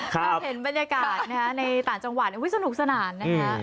แบบเห็นบรรยากาศในต่างจังหวะสนุกสนาน